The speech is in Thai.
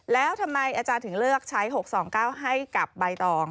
แล้วทำไมอาจารย์ถึงเลือกใช้๖๒๙ให้กับใบตอง